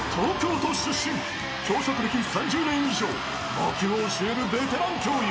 ［簿記を教えるベテラン教諭］